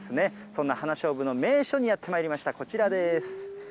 そんな花しょうぶの名所にやってまいりました、こちらです。